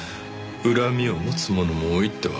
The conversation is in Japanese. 恨みを持つ者も多いってわけか。